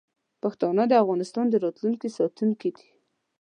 پښتانه د افغانستان د راتلونکي ساتونکي دي.